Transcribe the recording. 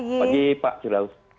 pagi pak firdaus